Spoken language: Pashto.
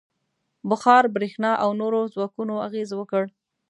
• بخار، برېښنا او نورو ځواکونو اغېز وکړ.